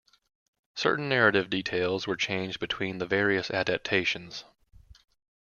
Certain narrative details were changed between the various adaptations.